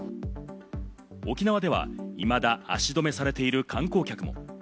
沖縄では未だ足止めされている観光客も。